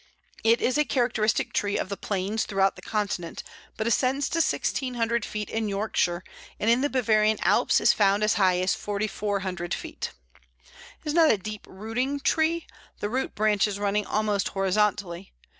It is a characteristic tree of the plains throughout the Continent, but ascends to 1600 feet in Yorkshire, and in the Bavarian Alps is found as high as 4400 feet. It is not a deep rooting tree, the root branches running almost horizontally.